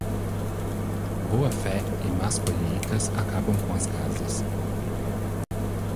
Boa fé e más colheitas acabam com as casas.